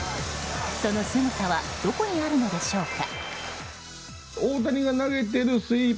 そのすごさはどこにあるのでしょうか。